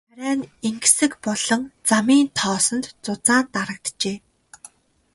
Царай нь энгэсэг болон замын тоосонд зузаан дарагджээ.